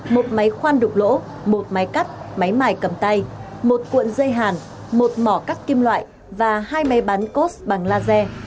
một máy khoan đục lỗ một máy cắt máy mài cầm tay một cuộn dây hàn một mỏ cắt kim loại và hai máy bán cost bằng laser